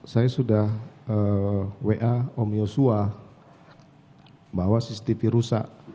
saya sudah wa om yosua bahwa cctv rusak